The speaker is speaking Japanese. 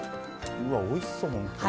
うわおいしそうほんとに。